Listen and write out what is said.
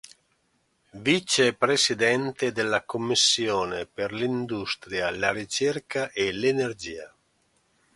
Vicepresidente della Commissione per l'Industria, la Ricerca e l'Energia.